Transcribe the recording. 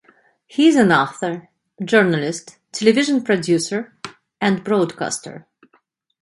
He is an author, journalist, television producer and broadcaster.